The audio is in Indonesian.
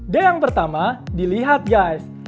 d yang pertama dilihat guys